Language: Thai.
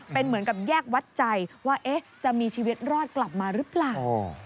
เป็นเหมือนกับแยกวัดใจว่าจะมีชีวิตรอดกลับมาหรือเปล่า